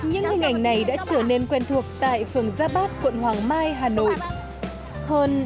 những hình ảnh này đã trở nên quen thuộc tại phường gia bát quận hoàng mai hà nội